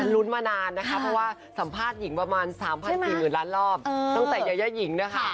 ลุ้นมานานนะคะเพราะว่าสัมภาษณ์หญิงประมาณ๓๔๐๐๐ล้านรอบตั้งแต่ยายาหญิงนะคะ